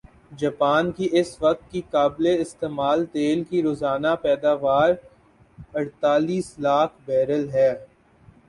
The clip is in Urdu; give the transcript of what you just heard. جاپان کی اس وقت کی قابل استعمال تیل کی روزانہ پیداواراڑتالیس لاکھ بیرل ھے